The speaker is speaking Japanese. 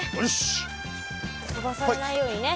飛ばされないようにね。